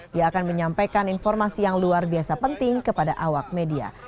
dia akan menyampaikan informasi yang luar biasa penting kepada awak media